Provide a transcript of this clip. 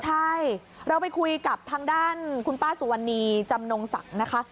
ใช่เราไปคุยกับทางด้านคุณป้าสุวรรณีจำนงศักดิ์นะคะ